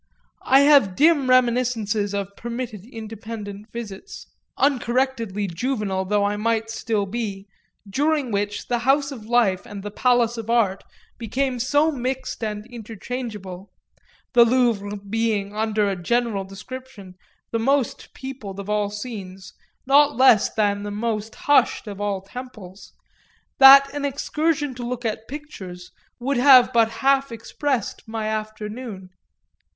I have dim reminiscences of permitted independent visits, uncorrectedly juvenile though I might still be, during which the house of life and the palace of art became so mixed and interchangeable the Louvre being, under a general description, the most peopled of all scenes not less than the most hushed of all temples that an excursion to look at pictures would have but half expressed my afternoon.